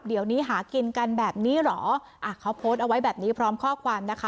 เดี๋ยวนี้หากินกันแบบนี้เหรออ่ะเขาโพสต์เอาไว้แบบนี้พร้อมข้อความนะคะ